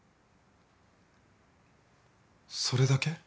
それだけ？